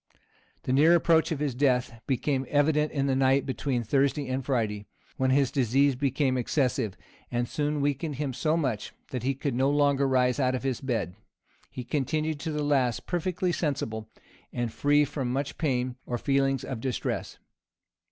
The near approach of his death became evident in the night between Thursday and Friday, when his disease became excessive, and soon weakened him so much, that he could no longer rise out of his bed He continued to the last perfectly sensible, and free from much pain or feelings of distress.